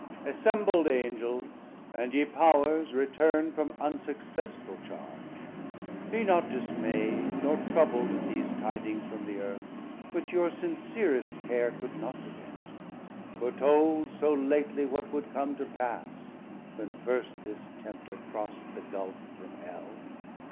Assembl'd Angels, and ye Powers return'd From unsuccessful charge, be not dismaid, Nor troubl'd at these tidings from the Earth, Which your sincerest care could not prevent, Foretold so lately what would come to pass, When first this Tempter cross'd the Gulf from Hell.